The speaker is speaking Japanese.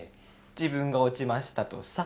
自分が落ちましたとさ。